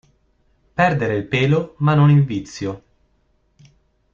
Perdere il pelo ma non il vizio.